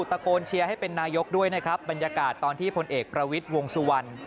ตะโกนเชียร์ให้เป็นนายกด้วยนะครับบรรยากาศตอนที่พลเอกประวิทย์วงสุวรรณ